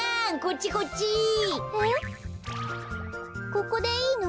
ここでいいの？